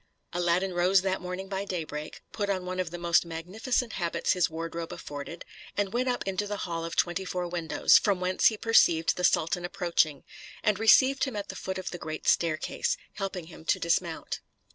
Aladdin rose that morning by daybreak, put on one of the most magnificent habits his wardrobe afforded, and went up into the hall of twenty four windows, from whence he perceived the sultan approaching, and received him at the foot of the great staircase, helping him to dismount.